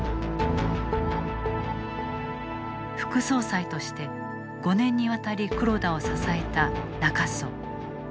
副総裁として５年にわたり黒田を支えた中曽。